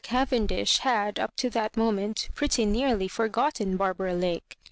CavencUsh had, up to that moment, pretty nearly forgotten Barbara Lake.